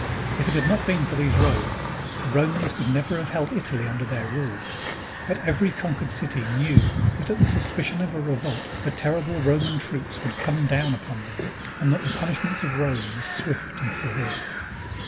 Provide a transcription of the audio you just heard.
If it had not been for these roads, the Romans could never have held Italy under their rule; but every conquered city knew that at the suspicion of a revolt, the terrible Roman troops would come down upon them, and that the punishments of Rome were swift and severe.